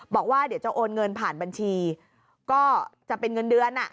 บอกว่าเดี๋ยวจะโอนเงินผ่านบัญชีก็จะเป็นเงินเดือน